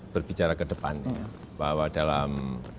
berbicara ke depannya bahwa dalam